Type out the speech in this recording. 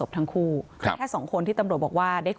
อืมว่านี่คือรถของนางสาวกรรณิการก่อนจะได้ชัดเจนไป